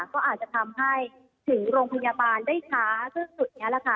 ก็อาจจะทำให้ถึงโรงพยาบาลได้ช้าซึ่งจุดนี้แหละค่ะ